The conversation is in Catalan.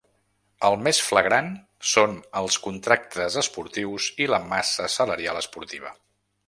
El més flagrant són els contractes esportius i la massa salarial esportiva.